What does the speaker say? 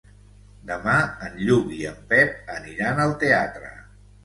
Demà en Lluc i en Pep aniran al teatre.